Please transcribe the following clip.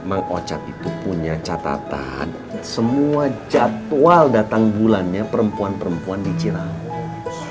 memang ocat itu punya catatan semua jadwal datang bulannya perempuan perempuan di cinambung